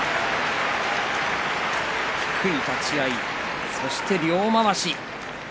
低い立ち合い、そして両まわし。